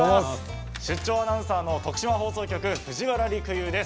出張アナウンサーの徳島放送局、藤原陸遊です。